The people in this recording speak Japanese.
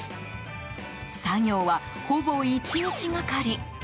作業は、ほぼ１日がかり。